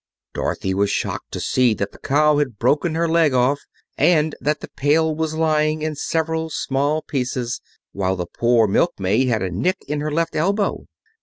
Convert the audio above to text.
Dorothy was shocked to see that the cow had broken her leg off, and that the pail was lying in several small pieces, while the poor milkmaid had a nick in her left elbow.